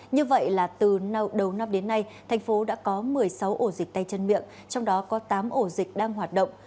như vậy là từ đầu năm đến nay thành phố đã có một mươi sáu ổ dịch tay chân miệng trong đó có tám ổ dịch đang hoạt động